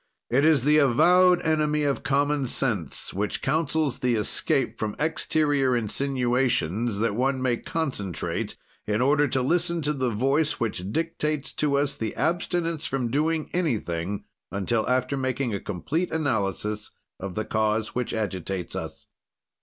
It is the avowed enemy of common sense, which counsels the escape from exterior insinuations that one may concentrate, in order to listen to the voice which dictates to us the abstinence from doing anything until after making a complete analysis of the cause which agitates us.